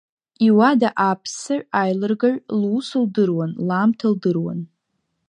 Иуада аԥссаҩ, аилыргаҩ лус лдыруан, лаамҭа лдыруан.